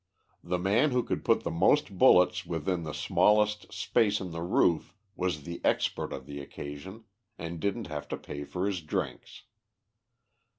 The man who could put the most bullets within the smallest space in the roof was the expert of the occasion, and didn't have to pay for his drinks.